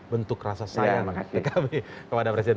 bentuk rasa sayang